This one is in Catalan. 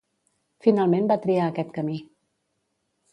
Finalment va triar aquest camí.